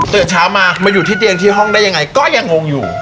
ตื่นเช้ามามาอยู่ที่เตียงที่ห้องได้ยังไงก็ยังงงอยู่